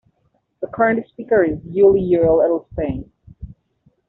The current speaker is Yuli-Yoel Edelstein.